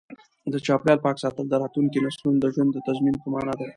د چاپیریال پاک ساتل د راتلونکو نسلونو د ژوند د تضمین په مانا دی.